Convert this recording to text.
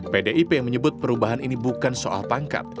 pdip menyebut perubahan ini bukan soal pangkat